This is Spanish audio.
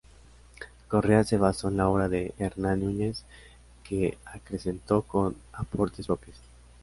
Correas se basó en la obra de Hernán Núñez que acrecentó con aportes propios.